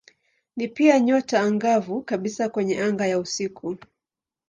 Ni pia nyota angavu kabisa kwenye anga ya usiku.